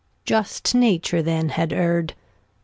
Just Nature then Had err'd.